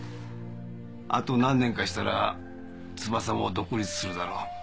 あと何年かしたら翼も独立するだろう。